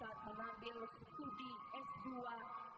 saat mengambil studi s dua